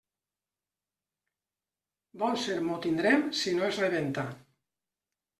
Bon sermó tindrem si no es rebenta.